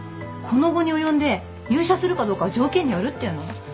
この期に及んで入社するかどうかは条件によるっていうの？